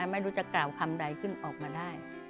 ไม่รู้จะกล่าวคำใดขึ้นออกมาได้